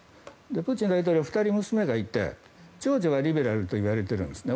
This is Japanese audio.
プーチン大統領、２人娘がいて長女はリベラルといわれているんですね。